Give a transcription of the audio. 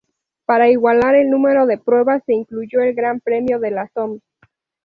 Para igualar el número de pruebas se incluyó el Gran Premio de la Somme.